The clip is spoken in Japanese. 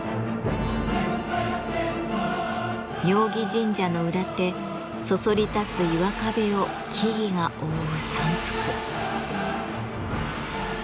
妙義神社の裏手そそり立つ岩壁を木々が覆う山腹。